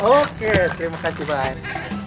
oke terima kasih bang